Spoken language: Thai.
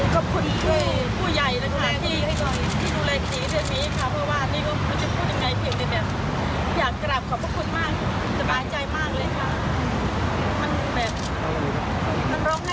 ข้ายอมนำเนาะ